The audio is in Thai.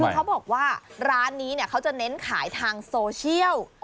คือเขาบอกว่าร้านนี้เขาจะเน้นขายทางโซเชียล